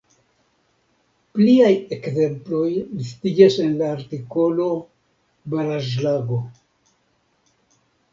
Pliaj ekzemploj listiĝas en la artikolo baraĵlago.